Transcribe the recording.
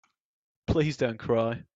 Please don't cry.